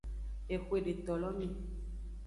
Exwe detolo me.